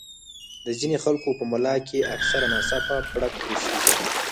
د ځينې خلکو پۀ ملا کښې اکثر ناڅاپه پړق اوشي